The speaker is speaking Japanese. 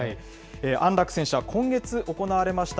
安楽選手は今月行われました